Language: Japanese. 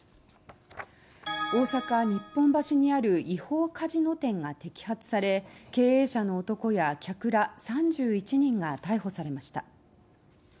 大阪・日本橋にある違法カジノ店が摘発され経営者の男や客ら３１人が逮捕されました。